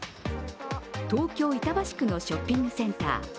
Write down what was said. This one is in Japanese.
東京・板橋区のショッピングセンター。